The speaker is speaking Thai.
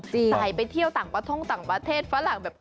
ใส่ไปเที่ยวต่างประท่งต่างประเทศฝรั่งแบบ